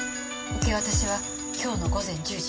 受け渡しは今日の午前１０時。